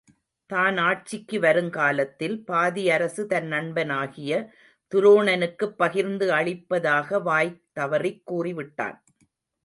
தான் ஆட்சிக்கு வருங்காலத்தில் பாதி அரசு தன் நண்பனாகிய துரோணனுக்குப் பகிர்ந்து அளிப்பதாக வாய் தவறிக் கூறி விட்டான்.